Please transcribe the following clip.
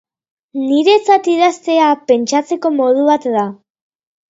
Niretzat idaztea, pentsatzeko modu bat da.